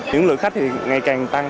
những lượng khách thì ngày càng tăng